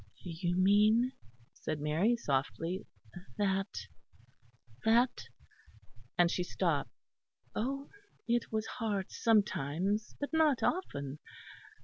"You mean," said Mary softly, "that, that " and she stopped. "Oh, it was hard sometimes; but not often.